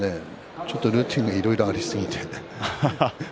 ちょっとルーティンがいろいろありすぎて。